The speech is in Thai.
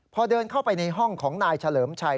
พอเดินเข้าไปในห้องของนายเฉลิมชัย